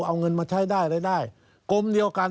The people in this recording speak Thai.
เอาเงินมาใช้ได้รายได้กรมเดียวกัน